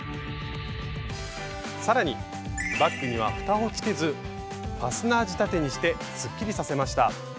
さらにバッグには蓋をつけずファスナー仕立てにしてすっきりさせました。